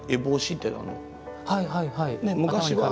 はいはいはい。